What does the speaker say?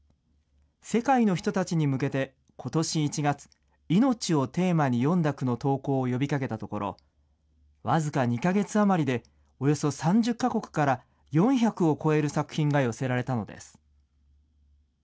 世界の人たちに向けてことし１月、命をテーマに詠んだ句の投稿を呼びかけたところ、僅か２か月余りで、およそ３０か国から、４００を超える作品が寄せられたのです。